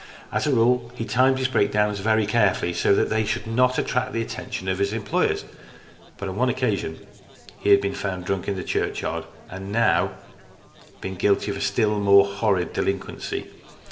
As a rule he timed his breakdowns very carefully, so that they should not attract the attention of his employers. But on one occasion he had been found drunk in the churchyard, and he had now been guilty of a still more horrid delinquency.